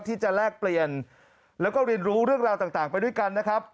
แลกเปลี่ยนแล้วก็เรียนรู้เรื่องราวต่างไปด้วยกันนะครับ